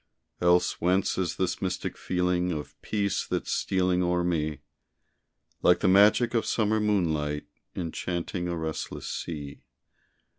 Else whence is this mystic feeling Of peace that's stealing o'er me? Like the magic of summer moonlight Enchanting a restless sea.